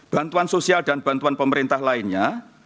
bantuan sosial dan bantuan pemerintah lainnya